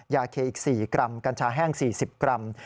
ยาเคอีก๔กรัมกัญชาแห้ง๔๐กรัม